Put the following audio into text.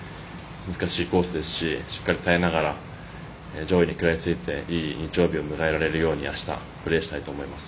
難しいコースですししっかり耐えながら上位に食らいついていい日曜日を迎えられるようにあした、プレーしたいと思います。